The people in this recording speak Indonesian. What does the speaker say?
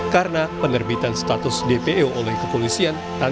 karena penerbitan status dpo oleh vina